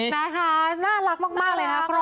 น่ารักมากเลยนะครับ